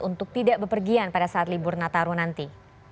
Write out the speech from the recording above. untuk tidak bepergian pada saat libur nataru nanti